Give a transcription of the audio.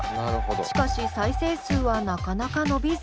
しかし再生数はなかなか伸びず。